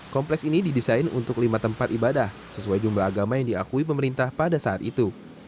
kompleks ini didesain untuk lima tempat ibadah sesuai jumlah agama yang diakui pemerintah pada saat itu